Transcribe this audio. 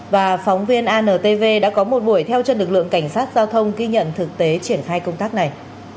và phóng viên antv đã có một buổi theo chân lực lượng cảnh sát giao thông ghi nhận thực tế triển khai công tác này